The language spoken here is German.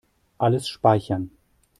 Alles speichern.